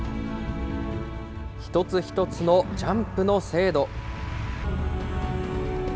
一つ一つのジャンプの精度。